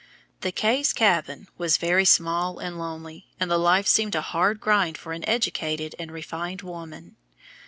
The K's cabin was very small and lonely, and the life seemed a hard grind for an educated and refined woman.